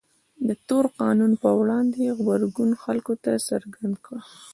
د تور قانون پر وړاندې غبرګون خلکو ته څرګنده کړه.